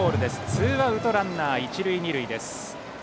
ツーアウトランナー、一塁二塁です。